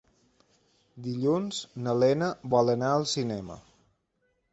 Dilluns na Lena vol anar al cinema.